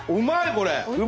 これ！